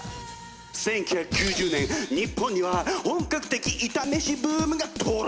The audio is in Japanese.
１９９０年日本には本格的イタ飯ブームが到来！